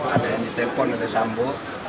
ada yang ditelepon oleh sambu